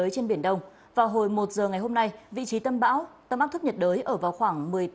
xin chào các bạn